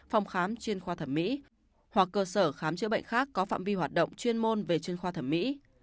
phòng khám chuyên khoa thẩm mỹ hoặc cơ sở khám chữa bệnh khác có phạm vi hoạt động chuyên môn về chuyên khoa thẩm mỹ